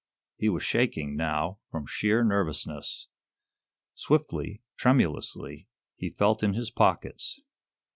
He was shaking, now, from sheer nervousness. Swiftly, tremulously, he felt in his pockets.